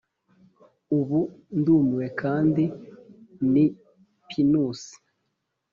ubu ndumiwe kandi ni pinusi,